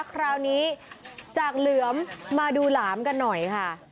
คราวนี้จากเหลือมมาดูหลามกันหน่อยค่ะ